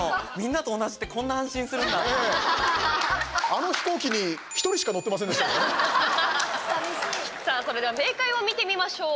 あの飛行機にさあそれでは正解を見てみましょう。